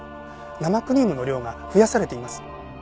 生クリームの量が増やされています。